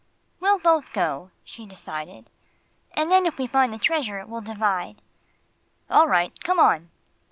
"We'll both go," she decided; "and then if we find the treasure we'll divide." "All right; come on!"